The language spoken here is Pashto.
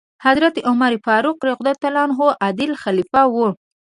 حضرت عمر فاروق رض عادل خلیفه و.